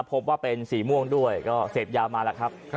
พบว่าเป็นสีม่วงด้วยก็เสพยามาแล้วครับ